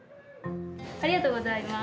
ありがとうございます。